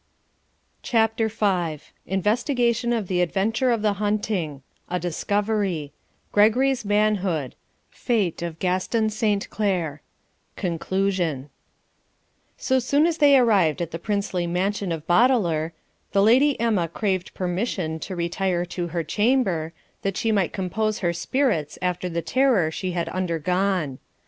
CHAPTER V INVESTIGATION OF THE ADVENTURE OF THE HUNTING A DISCOVERY GREGORY'S MANHOOD PATE OF GASTON SAINT CLERE CONCLUSION So soon as they arrived at the princely mansion of Boteler, the Lady Emma craved permission to retire to her chamber, that she might compose her spirits after the terror she had undergone.